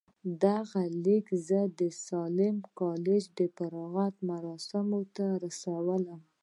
دغه ليک زه د ساليم کالج د فراغت مراسمو ته ورسولم.